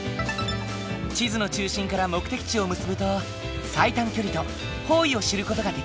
地図の中心から目的地を結ぶと最短距離と方位を知る事ができる。